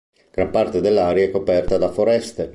Gran parte dell'area è coperta da foreste.